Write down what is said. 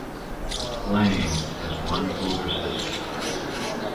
Lang has one older sister.